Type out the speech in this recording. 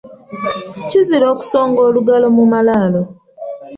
Kizira okusonga olugalo mu malaalo.